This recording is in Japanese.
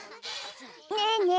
ねえねえ